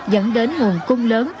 dẫn đến nguồn cung lớn